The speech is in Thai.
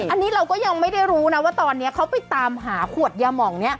อันนี้เราก็ยังไม่ได้รู้นะว่าตอนนี้เขาไปตามหาขวดยามอง